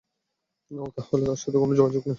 ওহ, তাহলে ওর সাথে তোমার যোগাযোগ নেই?